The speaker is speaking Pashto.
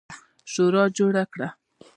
شورا جوړه کړه.